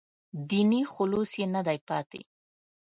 دیني خلوص یې نه دی پاتې.